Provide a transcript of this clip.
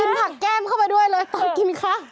ผักแก้มเข้าไปด้วยเลยตอนกินคะ